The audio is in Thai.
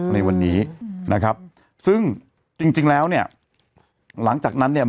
ในวันนี้นะครับ